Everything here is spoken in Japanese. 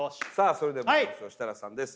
それではまいりましょう設楽さんです